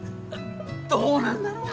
どうなんだろうな。